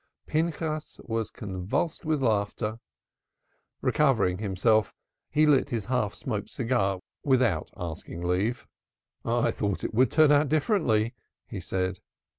'" Pinchas was convulsed with laughter. Recovering himself, he lit his half smoked cigar without asking leave. "I thought it would turn out differently," he said.